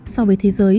so với thế giới